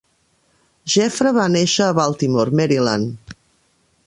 Jeffra va néixer a Baltimore, Maryland.